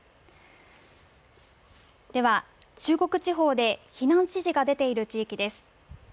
では中国地方で避難指示が出ている地域です。